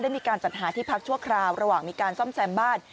มีการจัดหาที่พักชั่วคราวระหว่างมีการซ่อมแซมบ้าน